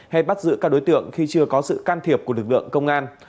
hay bắt giữ các đối tượng khi chưa có sự can thiệp của lực lượng công an